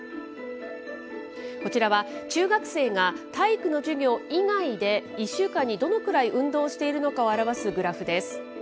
こちらは、中学生が体育の授業以外で、１週間にどのくらい運動しているのかを表すグラフです。